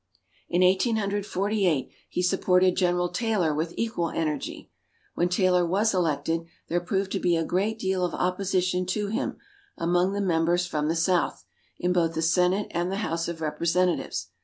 In Eighteen Hundred Forty eight, he supported General Taylor with equal energy. When Taylor was elected, there proved to be a great deal of opposition to him among the members from the South, in both the Senate and the House of Representatives.